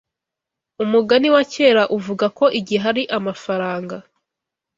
Umugani wa kera uvuga ko igihe ari amafaranga.